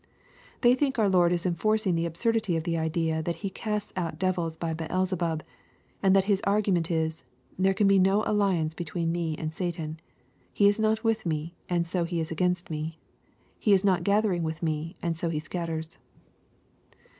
They think our Lord is enforcing the absurdity of the idea that He cast out devils by Beelzebub, and that His argument is, " There can be no alliance between me and Satan. He is not vrith me, and so he is against me. He is not gathering with me, and so he scatters."